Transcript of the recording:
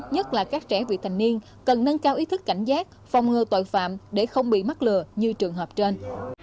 nhất là các trẻ vị thành niên cần nâng cao ý thức cảnh giác phòng ngừa tội phạm để không bị mắc lừa như trường hợp trên